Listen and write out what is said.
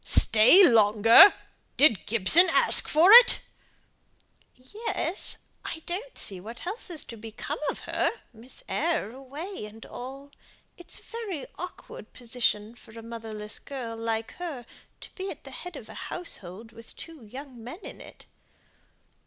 "Stay longer! Did Gibson ask for it?" "Yes! I don't see what else is to become of her; Miss Eyre away and all. It's a very awkward position for a motherless girl like her to be at the head of a household with two young men in it."